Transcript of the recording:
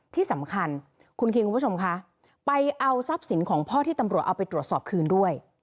ที่สำคัญคุณคิงคุณผู้ชมคะไปเอาทรัพย์สินของพ่อที่ตำรวจเอาไปตรวจสอบคืนด้วย